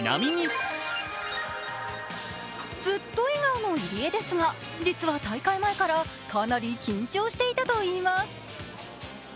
ずっと笑顔の入江ですが、実は大会前からかなり緊張していたといいます。